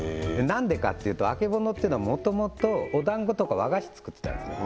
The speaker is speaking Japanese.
なんでかっていうとあけぼのってのはもともとおだんごとか和菓子作ってたんですね